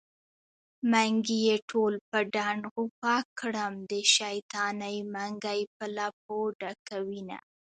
منګي يې ټول په ډنډ غوپه کړم د شيطانۍ منګی په لپو ډکوينه